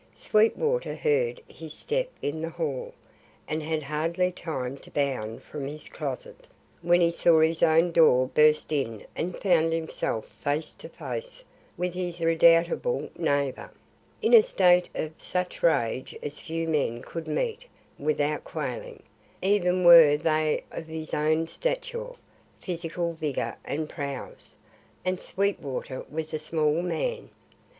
Sweetwater heard his step in the hall and had hardly time to bound from his closet, when he saw his own door burst in and found himself face to face with his redoubtable neighbour, in a state of such rage as few men could meet without quailing, even were they of his own stature, physical vigour and prowess; and Sweetwater was a small man.